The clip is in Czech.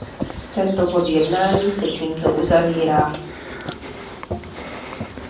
Tento bod jednání se tímto uzavírá.